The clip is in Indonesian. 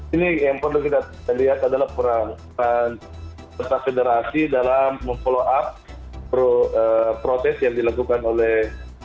ini yang perlu kita lihat adalah peran serta federasi dalam memfollow up protes yang dilakukan oleh